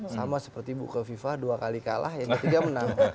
sama seperti buka viva dua kali kalah yang ketiga menang